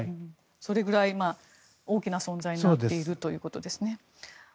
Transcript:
それくらい大きな存在になっているということですね。